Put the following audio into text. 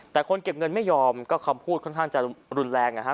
แต่คนเก็บเงินไม่ยอมก็คำพูดค่อนข้างจะรุนแรงนะฮะ